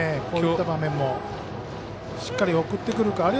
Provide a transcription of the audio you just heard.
こういった場面もしっかり送ってくるか。